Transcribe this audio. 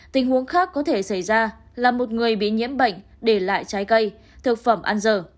tình huống khác có thể xảy ra là một người bị nhiễm bệnh để lại trái cây thực phẩm ăn dở